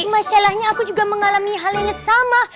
masalahnya aku juga mengalami hal yang sama